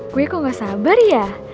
kue kok gak sabar ya